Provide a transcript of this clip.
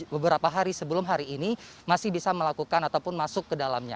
beberapa hari sebelum hari ini masih bisa melakukan ataupun masuk ke dalamnya